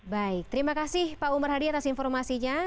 baik terima kasih pak umar hadi atas informasinya